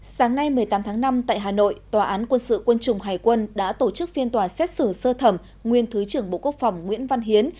sáng nay một mươi tám tháng năm tại hà nội tòa án quân sự quân chủng hải quân đã tổ chức phiên tòa xét xử sơ thẩm nguyên thứ trưởng bộ quốc phòng nguyễn văn hiến